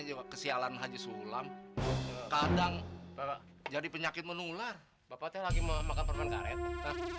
juga kesialan haji sulam kadang jadi penyakit menular bapaknya lagi mau makan perban karet